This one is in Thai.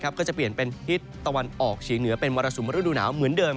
ก็จะเปลี่ยนเป็นทิศตะวันออกเฉียงเหนือเป็นมรสุมฤดูหนาวเหมือนเดิม